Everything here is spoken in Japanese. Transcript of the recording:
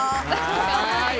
かわいい！